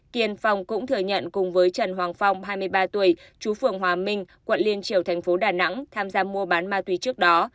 kiên phong cũng thừa nhận cùng với trần hoàng phong hai mươi ba tuổi chú phường hòa minh quận liên triều thành phố đà nẵng tham gia mua bán ma túy trước đó